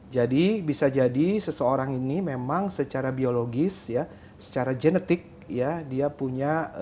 jadi bisa jadi seseorang ini memang secara biologis secara genetik dia punya